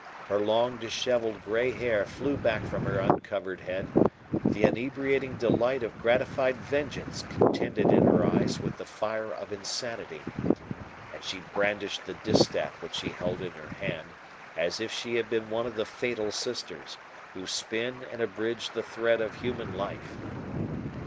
Her long dishevelled grey hair flew back from her uncovered head; the inebriating delight of gratified vengeance contended in her eyes with the fire of insanity; and she brandished the distaff which she held in her hand, as if she had been one of the Fatal Sisters, who spin and abridge the thread of human life.